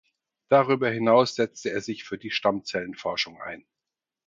Darüber hinaus setzte er sich für die Stammzellenforschung ein.